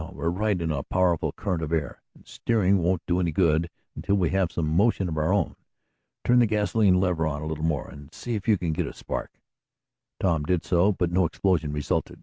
We're right in a powerful current of air, and steering won't do any good, until we have some motion of our own. Turn the gasolene lever on a little more, and see if you can get a spark." Tom did so, but no explosion resulted.